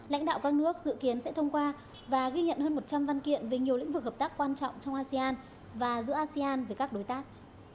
lãnh đạo các nước dự kiến sẽ thông qua và ghi nhận hơn một trăm linh văn kiện về nhiều lĩnh vực hợp tác quan trọng trong asean và giữa asean với các đối tác